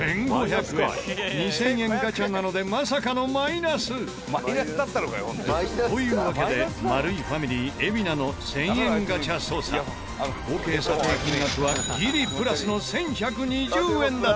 ２０００円ガチャなのでまさかのマイナス！というわけでマルイファミリー海老名の１０００円ガチャ捜査合計査定金額はギリプラスの１１２０円だった。